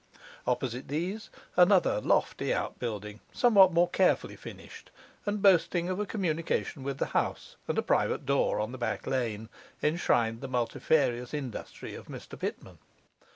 Opposite these another lofty out building, somewhat more carefully finished, and boasting of a communication with the house and a private door on the back lane, enshrined the multifarious industry of Mr Pitman.